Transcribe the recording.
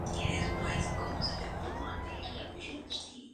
Luego tuvieron diversas conversaciones.